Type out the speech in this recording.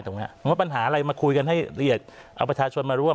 ว่าปัญหาอะไรมาคุยกันให้เรียกเอาประชาชนมาร่วม